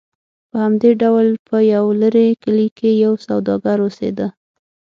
په همدې ډول په یو لرې کلي کې یو سوداګر اوسېده.